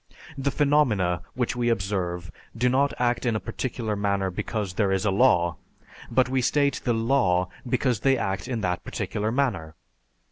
The phenomena which we observe do not act in a particular manner because there is a law; but we state the "law" because they act in that particular manner.